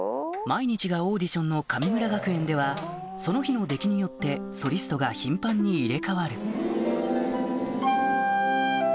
毎日がオーディションの神村学園ではその日の出来によってソリストが頻繁に入れ替わる